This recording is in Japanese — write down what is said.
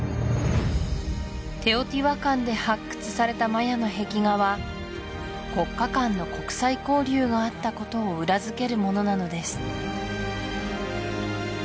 テオティワカンで発掘されたマヤの壁画は国家間の国際交流があったことを裏付けるものなのです